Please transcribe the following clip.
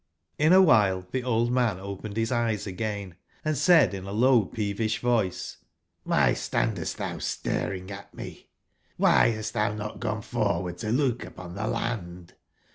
57 i^f^]^ a while the old man opened bis eyes again, nl"^ and said in a low peevish voice: CClhy stand M^i cst thou staring at me? why hast thou not gone forward to look upon the land?